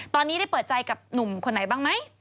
ตอนนี้ได้เปิดใจกับหนุ่มคนไหนบ้างไหม